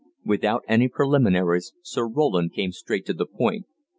Without any preliminaries Sir Roland came straight to the point.